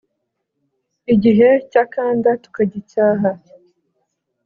igihe cy’akanda tukagicyaha